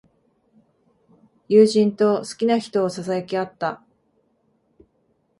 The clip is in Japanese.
友人と好きな人をささやき合った。